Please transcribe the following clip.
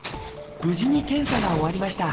無事に検査が終わりました。